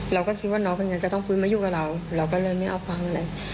เราก็คิดว่าน้องก็ยังจะต้องฟื้นมาอยู่กับเราเราก็เลยไม่เอาฟังอะไร